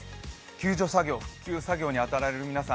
救助作業、復旧作業に当たられる皆さん